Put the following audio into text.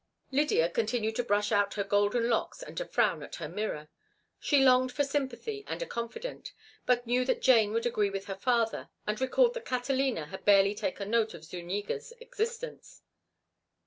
Lydia continued to brush out her golden locks and to frown at her mirror. She longed for sympathy and a confidant, but knew that Jane would agree with her father, and recalled that Catalina had barely taken note of Zuñiga's existence.